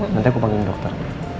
nanti aku panggilin dokter